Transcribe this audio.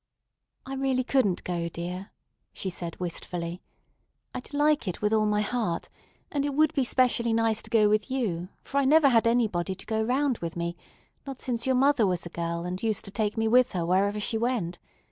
"I really couldn't go, dear," she said wistfully. "I'd like it with all my heart. And it would be specially nice to go with you, for I never had anybody to go round with me, not since your mother was a girl and used to take me with her wherever she went.